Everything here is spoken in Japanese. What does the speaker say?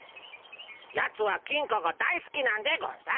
ヤツは金貨が大すきなんでゴンス。